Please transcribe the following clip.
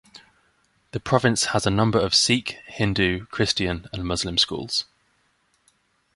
The province has a number of Sikh, Hindu, Christian, and Muslim schools.